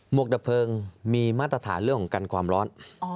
วกดับเพลิงมีมาตรฐานเรื่องของกันความร้อน